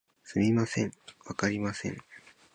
すみません、わかりません